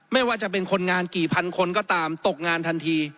ไม่ว่าจะเป็นคนงานกี่พันคนก็ตามตกงานทันที